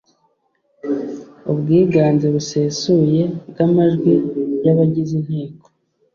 ubwiganze busesuye bw amajwi y abagize inteko